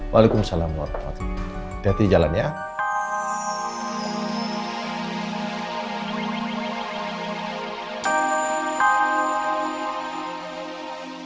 waalaikumsalam warahmatullah wabarakatuh